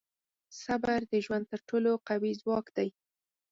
• صبر د ژوند تر ټولو قوي ځواک دی.